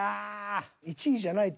１位じゃないって。